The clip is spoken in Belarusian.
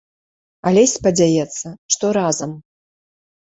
Алесь спадзяецца, што разам.